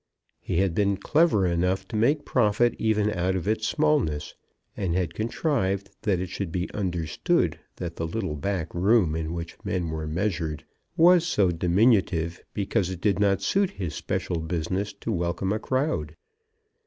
He had been clever enough to make profit even out of its smallness, and had contrived that it should be understood that the little back room in which men were measured was so diminutive because it did not suit his special business to welcome a crowd.